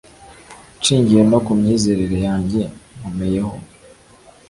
nshingiye no ku myizerere yanjye nkomeyeho